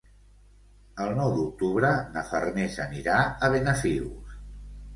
El nou d'octubre na Farners anirà a Benafigos.